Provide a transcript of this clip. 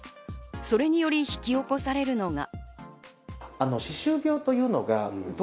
それにより引き起こされるのが。